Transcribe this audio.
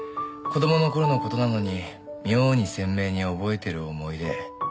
子どもの頃の事なのに妙に鮮明に覚えてる思い出。